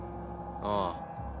ああ。